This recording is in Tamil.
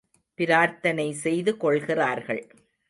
பிரார்த்தனை செய்து கொள்கிறார்கள்.